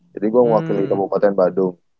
jadi gua mewakili kabupaten badung